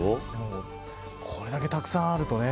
これだけたくさんあるとね。